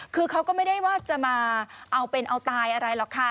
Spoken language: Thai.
คือเขาก็ไม่ได้ว่าจะมาเอาเป็นเอาตายอะไรหรอกค่ะ